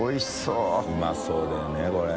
うまそうだよねこれ。